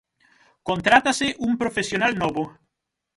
Contrátase un profesional novo.